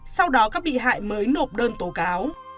sau đó các bị hại mới nộp đơn tố cáo